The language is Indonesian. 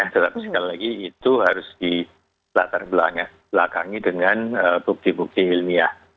tetap sekali lagi itu harus dilakangi dengan bukti bukti ilmiah